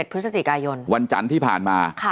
พฤศจิกายนวันจันทร์ที่ผ่านมา